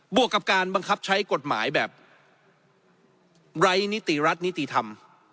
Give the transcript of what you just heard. วกกับการบังคับใช้กฎหมายแบบไร้นิติรัฐนิติธรรม